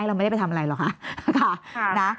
ให้เราไม่ได้ไปทำอะไรหรอกนะ